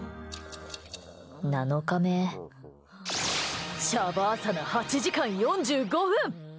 ７日目シャバーサナ８時間４５分！